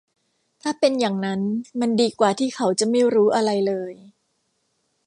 ถ้าเป็นอย่างนั้น มันดีกว่าที่เขาจะไม่รู้อะไรเลย